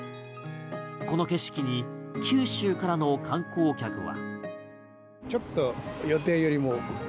この景色に九州からの観光客は。